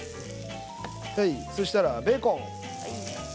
そうしたらベーコン。